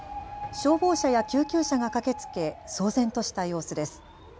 消防車や救急車が駆けつけ騒然とした様子です。